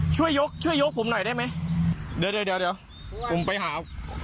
ช่วยยกช่วยยกผมหน่อยได้ไหมเดี๋ยวเดี๋ยวผมไปหา